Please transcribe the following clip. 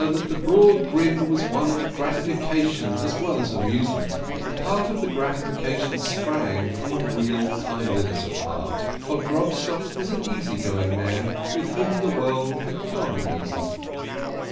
that the broad grin was one of gratification as well as of amusement, and part of the gratification sprang from a real kindliness of heart for Grobstock was an easy going man with whom the world had gone easy.